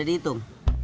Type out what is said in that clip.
yang ini dimana